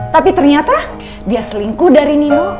tapi ternyata dia selingkuh dari nino